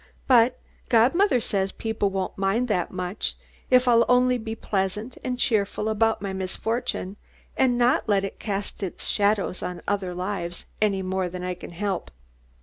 But godmother says people won't mind that much if I'll only be pleasant and cheerful about my misfortune, and not let it cast its shadow on other lives any more than I can help.